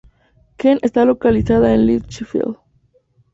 Kent está localizada en Litchfield.